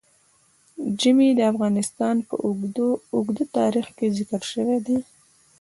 ژمی د افغانستان په اوږده تاریخ کې ذکر شوی دی.